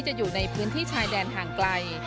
อยู่ในพื้นที่ชายแดนห่างไกล